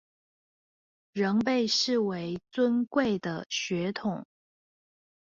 仍被視為尊貴的血統